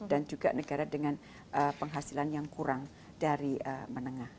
dan juga negara dengan penghasilan yang kurang dari menengah